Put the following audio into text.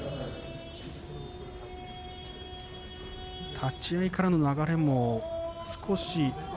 立ち合いからの流れも少し。